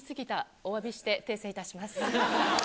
おわびして訂正いたします。